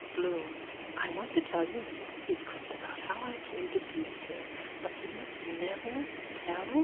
BLOOM: I want to tell you a little secret about how I came to be here. But you must never tell.